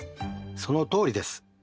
そのとおりです。